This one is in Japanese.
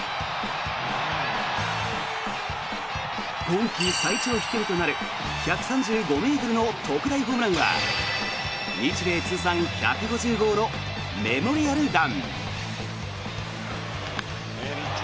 今季最長飛距離となる１３５ｍの特大ホームランは日米通算１５０号のメモリアル弾。